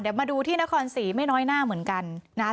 เดี๋ยวมาดูที่นครศรีไม่น้อยหน้าเหมือนกันนะครับ